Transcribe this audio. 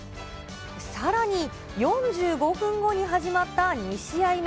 さらに、４５分後に始まった２試合目。